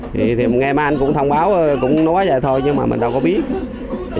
thì nghe mai anh cũng thông báo cũng nói vậy thôi nhưng mà mình đâu có biết